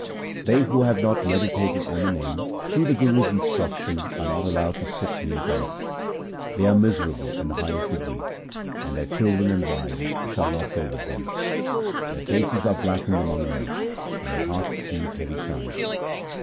They who have not meditated on the Name through the Guru's instruction, are not allowed to sit near God. They are miserable in the highest degree, and their children and wives shall not go with them. Their faces are blackened among men, and their hearts heave heavy sighs.